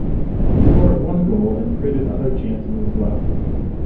He scored one goal and created other chances as well.